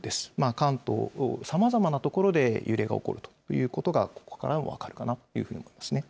関東、さまざまな所で揺れが起こるということが、ここから分かると思いますね。